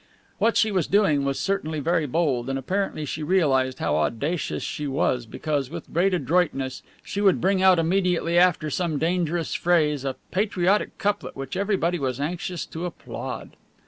What she was doing was certainly very bold, and apparently she realized how audacious she was, because, with great adroitness, she would bring out immediately after some dangerous phrase a patriotic couplet which everybody was anxious to applaud.